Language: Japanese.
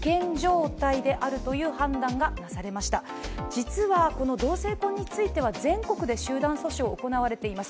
実はこの同性婚については全国で集団訴訟行われています。